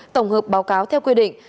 tổng hợp báo cáo theo quy định